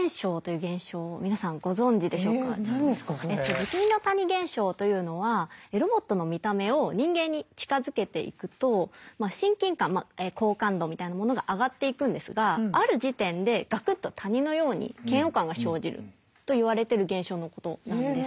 不気味の谷現象というのはロボットの見た目を人間に近づけていくと親近感まあ好感度みたいなものが上がっていくんですがある時点でガクッと谷のように嫌悪感が生じると言われてる現象のことなんです。